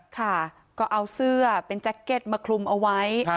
ค่ะก็เอาเสื้อเป็นแจ็คเก็ตมาคลุมเอาไว้